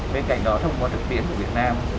bên cạnh đó thông qua thực tiễn của việt nam